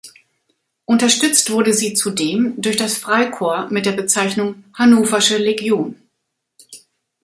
Unterstützt wurde sie zudem durch das Freikorps mit der Bezeichnung Hannoversche Legion.